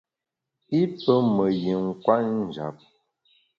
I pe me yin kwet njap.